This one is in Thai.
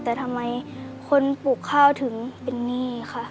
แต่ทำไมคนปลูกข้าวถึงเป็นหนี้ค่ะ